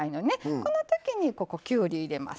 このときにきゅうり入れます。